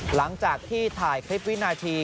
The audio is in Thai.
หลังจากที่ถ่ายคลิปวินาที